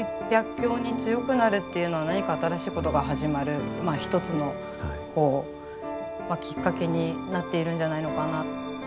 逆境に強くなるっていうのは何か新しいことが始まる一つのこうきっかけになっているんじゃないのかな。